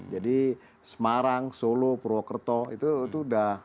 jadi semarang solo purwokerto itu sudah